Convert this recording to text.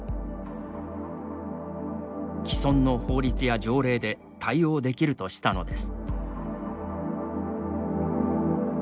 既存の法律や条例で対応できるとしたのです。